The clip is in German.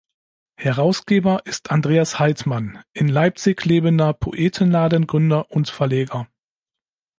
Herausgeber ist Andreas Heidtmann, in Leipzig lebender poetenladen-Gründer und -Verleger.